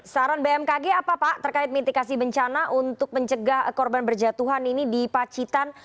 saran bmkg apa pak terkait mitigasi bencana untuk mencegah korban berjatuhan ini di pacitan